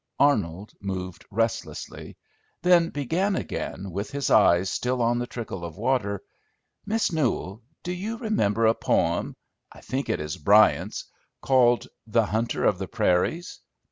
Arnold moved restlessly; then began again, with his eyes still on the trickle of water: "Miss Newell, do you remember a poem I think it is Bryant's called 'The Hunter of the Prairies'?